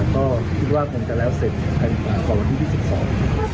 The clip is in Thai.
ก็คิดว่าคงจะแล้วเสร็จกันกว่าต่อวันที่๒๒น